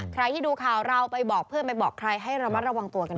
ใครที่ดูข่าวเราไปบอกเพื่อนไปบอกใครให้ระมัดระวังตัวกันหน่อย